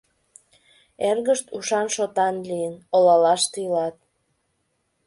Эргышт, ушан-шотан лийын, олалаште илат.